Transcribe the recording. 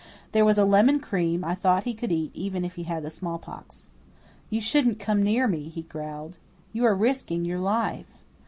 There was a lemon cream I thought he could eat even if he had the smallpox. "You shouldn't come near me," he growled. "You are risking your life."